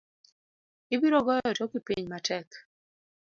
Ibiro goyo toki piny matek.